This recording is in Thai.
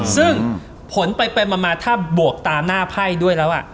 ซึ่งผลไปมาถ้าบวกตามหน้าไพ่ด้วยแล้ว